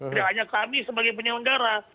tidak hanya kami sebagai penyelenggara